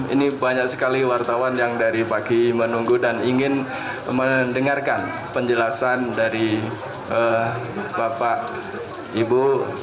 ini banyak sekali wartawan yang dari pagi menunggu dan ingin mendengarkan penjelasan dari bapak ibu